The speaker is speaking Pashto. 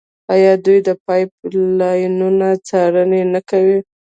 آیا دوی د پایپ لاینونو څارنه نه کوي؟